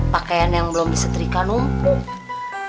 pakaian yang belum disetirkan umpuk